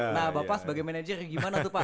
nah bapak sebagai manajer gimana tuh pak